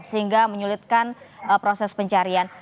sehingga menyulitkan proses pencarian